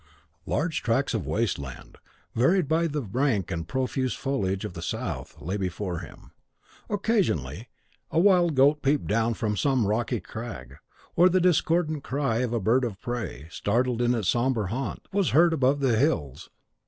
Large tracts of waste land, varied by the rank and profuse foliage of the South, lay before him; occasionally a wild goat peeped down from some rocky crag, or the discordant cry of a bird of prey, startled in its sombre haunt, was heard above the hills.